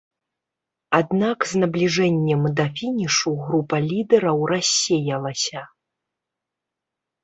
Аднак з набліжэннем да фінішу група лідэраў рассеялася.